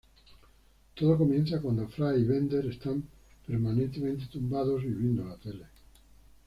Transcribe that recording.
Todo comienza cuando Fry y Bender están permanentemente tumbados y viendo la tele.